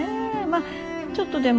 まあちょっとでも。